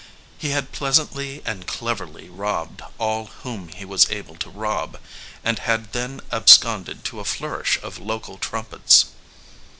He had pleas antly and cleverly robbed all whom he was able to rob, and had then absconded to a flourish of local trumpets.